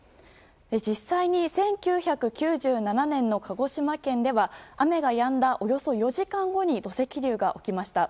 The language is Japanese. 実際に１９９７年の鹿児島県では雨がやんだ、およそ４時間後に土石流が起きました。